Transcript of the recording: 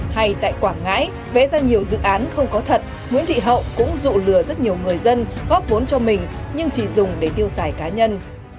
hay tại quảng ngãi vẽ ra nhiều dự án không có thật nguyễn thị hậu cũng dụ lừa rất nhiều người dân góp vốn cho mình nhưng chỉ dùng để tiêu xài cá nhân